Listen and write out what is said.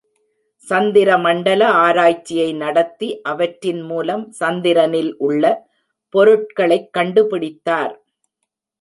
சந்திர மண்டல ஆராய்ச்சியை நடத்தி அவற்றின் மூலம் சந்திரனில் உள்ள பொருட்களைக் கண்டு பிடித்தார்!